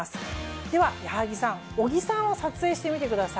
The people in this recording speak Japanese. では矢作さん小木さんを撮影してみてください。